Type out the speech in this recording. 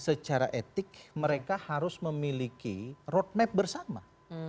secara etik mereka harus memiliki road map bersama